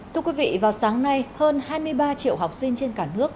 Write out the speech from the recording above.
thưa quý vị vào sáng nay hơn hai mươi ba triệu học sinh trên cả nước